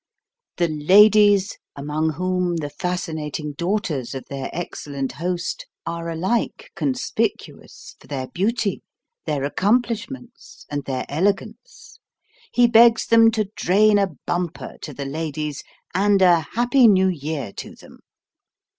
The Ladies ! among whom the fascinating daughters of their excellent host, are alike conspicuous for their beauty, their accomplishments, and their elegance. He begs them to drain a bumper to " The Ladies, and a happy new year to them